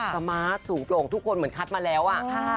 ธรรมะสูงโต่งทุกคนเหมือนคัดมาแล้ว